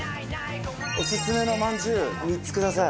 オススメのまんじゅう３つください。